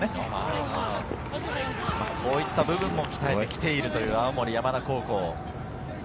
そういった部分も鍛えてきているという青森山田高校。